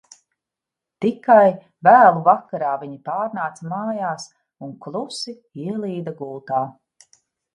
Tikai vēlu vakarā viņi pārnāca mājās un klusi ielīda gultā.